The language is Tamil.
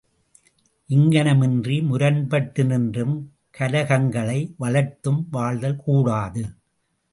இங்ஙனமின்றி முரண்பட்டு நின்றும், கலகங்களை வளர்த்தும் வாழ்தல் கூடாது.